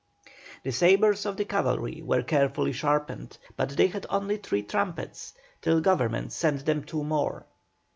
The sabres of the cavalry were carefully sharpened, but they had only three trumpets till Government sent them two more.